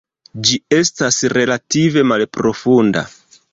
Ĝi estas relative malprofunda.